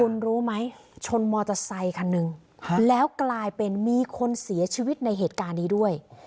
คุณรู้ไหมชนมอเตอร์ไซคันหนึ่งแล้วกลายเป็นมีคนเสียชีวิตในเหตุการณ์นี้ด้วย